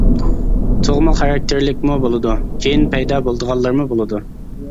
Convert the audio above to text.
تۇغما خاراكتېرلىكمۇ بولىدۇ، كېيىن پەيدا بولىدىغانلىرىمۇ بولىدۇ.